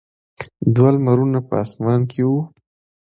دوه لمرونه په اسمان کې وو.